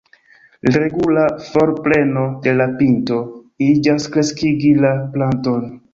Regula forpreno de la pinto iĝas kreskigi la planton.